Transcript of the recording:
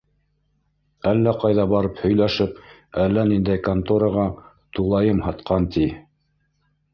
Әллә ҡайҙа барып һөйләшеп, әллә ниндәй контораға тулайым һатҡан, ти.